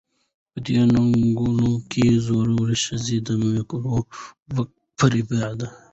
په دې نکلونو کې زړې ښځې د مکرو و فرېبه